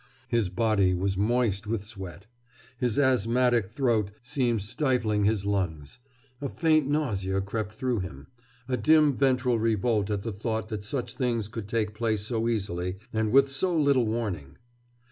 His body was moist with sweat. His asthmatic throat seemed stifling his lungs. A faint nausea crept through him, a dim ventral revolt at the thought that such things could take place so easily, and with so little warning.